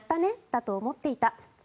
だと思っていた。